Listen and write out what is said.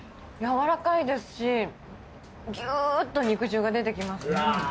やわらかいですしギューッと肉汁が出てきます。